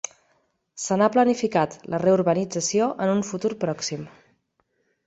Se n'ha planificat la reurbanització en un futur pròxim.